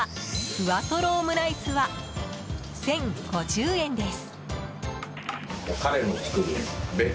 ふわとろオムライスは１０５０円です。